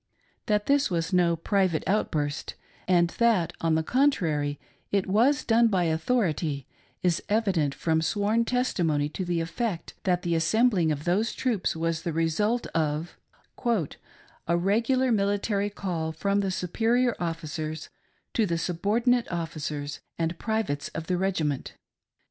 That this was no private outburst, and that, on the contrary, it was done by authority, is evident from sworn testimony to th6 effect that the assembling of those troops was the result of "a regular military call from the superior officers to the subordinate officers and privates of the regiment.